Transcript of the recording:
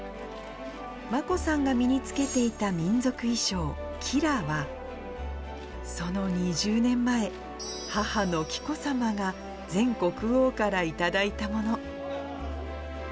眞子さんが身に着けていた民族衣装、キラは、その２０年前、母の紀子さまが前国王から頂いたもの。